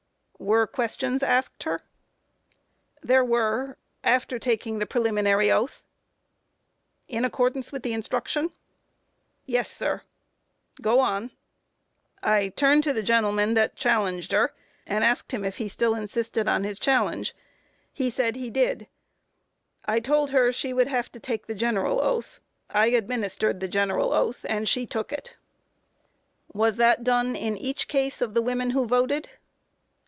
Q. Were questions asked her? A. There were, after taking the preliminary oath. Q. In accordance with the instruction? A. Yes, sir. Q. Go on. A. I turned to the gentleman that challenged her, and asked him if he still insisted on his challenge; he said he did; I told her she would have to take the general oath; I administered the general oath, and she took it. Q. Was that done in each case of the women who voted?